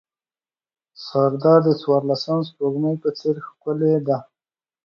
سارده د څوارلسم سپوږمۍ په څېر ښکلې ده.